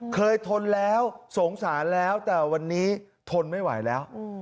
ทนแล้วสงสารแล้วแต่วันนี้ทนไม่ไหวแล้ว